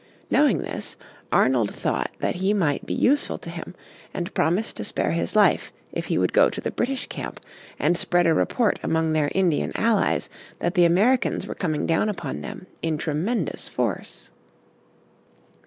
Knowing this, Arnold thought that he might be useful to him, and promised to spare his life if he would go to the British camp and spread a report among their Indian allies that the Americans were coming down upon them in tremendous force.